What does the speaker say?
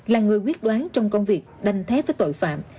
là người quyết đoán trong công việc đành thép với tội phạm